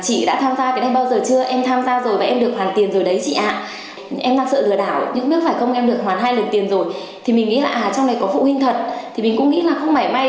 thì mình cũng nghĩ là không mẻ may mình cũng không cảnh giác gì